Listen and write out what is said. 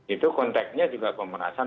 itu kontaknya juga kemerasan